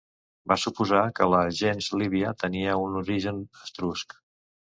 Va suposar que la gens Lívia tenia un origen etrusc.